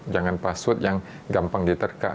jangan password yang gampang diterka